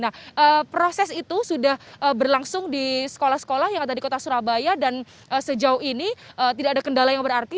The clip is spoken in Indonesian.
nah proses itu sudah berlangsung di sekolah sekolah yang ada di kota surabaya dan sejauh ini tidak ada kendala yang berarti